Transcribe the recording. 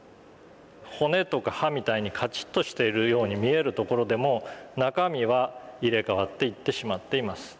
骨とか歯みたいにカチッとしているように見えるところでも中身は入れ替わっていってしまっています。